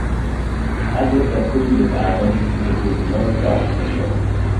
As with their previous album, it produced no chart singles.